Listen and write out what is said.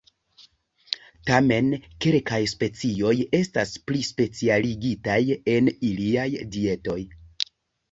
Tamen, kelkaj specioj estas pli specialigitaj en iliaj dietoj.